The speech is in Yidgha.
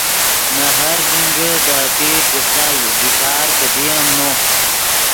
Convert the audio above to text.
نے ہر ژینگے دے اپیر جفتا ای بیکار کیدی ام نو